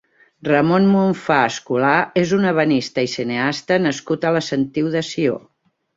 Ramon Monfà Escolà és un ebenista i cineasta nascut a la Sentiu de Sió.